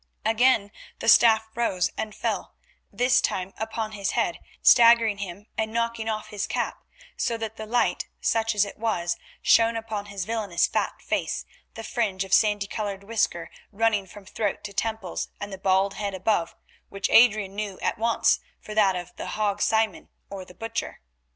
Again the staff rose and fell, this time upon his head, staggering him and knocking off his cap, so that the light, such as it was, shone upon his villainous fat face, the fringe of sandy coloured whisker running from throat to temples, and the bald head above, which Adrian knew at once for that of Hague Simon, or the Butcher.